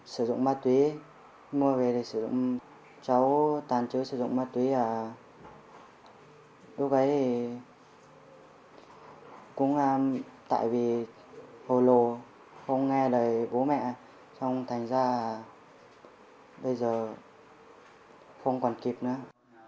sử dụng ma túy mua về để sử dụng cháu tàn chứa sử dụng ma túy là lúc ấy thì cũng tại vì hồ lồ không nghe đời bố mẹ xong thành ra bây giờ không còn kịp nữa